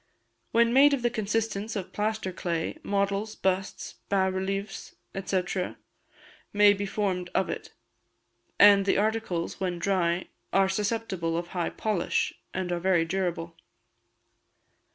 When made of the consistence of plaster clay, models, busts, bas relievos, &c., may be formed of it; and the articles, when dry, are susceptible of high polish, and are very durable.